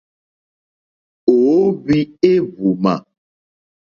Ò óhwī éhwùmà.